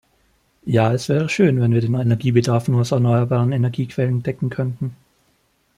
Ja, es wäre schön, wenn wir den Energiebedarf nur aus erneuerbaren Energiequellen decken könnten.